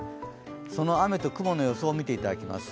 その雨と雲の予想を見ていただきます。